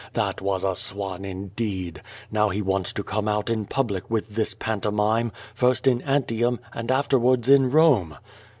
That was a swan indeed! Xow he wants to come out in public with this pantomime, first in Antium and afterwards in Kome."